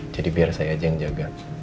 jadi biar saya aja yang jaga